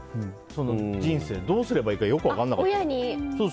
人生をどうすればいいかよく分からなかった。